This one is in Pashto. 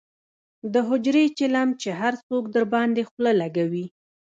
دحجرې چیلم یې هر څوک درباندې خله لکوي.